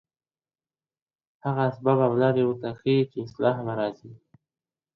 هغه اسباب او لاري ورته ښيي، چي اصلاح په راځي.